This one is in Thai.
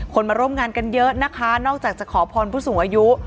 มาร่วมงานกันเยอะนะคะนอกจากจะขอพรผู้สูงอายุ